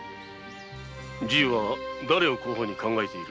じぃはだれを候補に考えている？